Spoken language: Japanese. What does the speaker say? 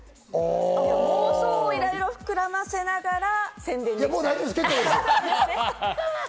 発想をいろいろ膨らませながら宣伝をする。